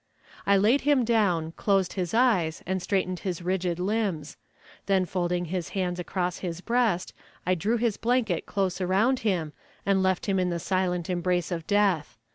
I laid him down, closed his eyes, and straightened his rigid limbs; then folding his hands across his breast, I drew his blanket close around him and left him in the silent embrace of death.